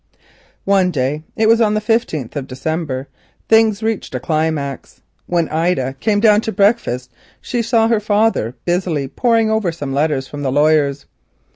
One day, it was on the 15th of December, things reached a climax. When Ida came down to breakfast she found her father busy poring over some more letters from the lawyers.